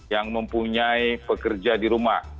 yang mempunyai pekerja di rumah